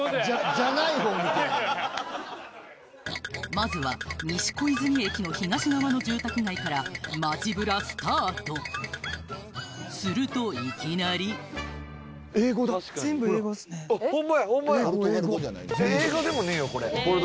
まずは西小泉駅の東側の住宅街から街ブラスタートするといきなり全部英語っすねホンマやホンマや英語でもねえよ